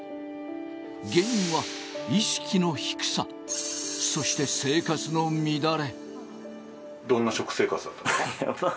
原因は意識の低さ、そして生活の乱れ。